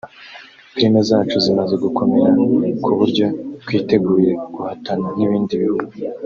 filime zacu zimaze gukomera ku buryo twiteguye guhatana n’ibindi bihugu